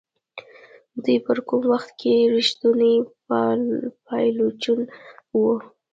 دوی په کوم وخت کې ریښتوني پایلوچان وو.